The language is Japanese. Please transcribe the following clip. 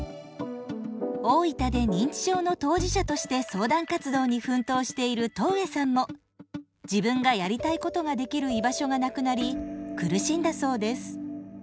大分で認知症の当事者として相談活動に奮闘している戸上さんも自分がやりたいことができる居場所がなくなり苦しんだそうです。